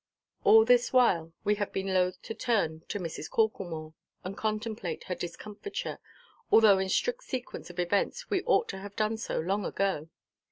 All this while we have been loth to turn to Mrs. Corklemore, and contemplate her discomfiture, although in strict sequence of events we ought to have done so long ago.